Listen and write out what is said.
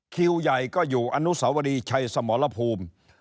คิวใหญ่ก็อยู่อนุสาวรีชัยสมรภูมิ